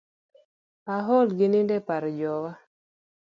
Aol gi nindo e par jowa.